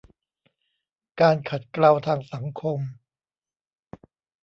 การขัดเกลาทางสังคม